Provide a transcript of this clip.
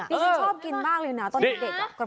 ต้องชอบกินมากเลยนะตอนเย็นเด็ก